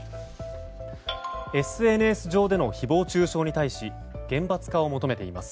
ＳＮＳ上での誹謗中傷に対し厳罰化を求めています。